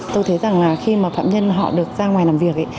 tôi thấy rằng khi phạm nhân họ được ra ngoài làm việc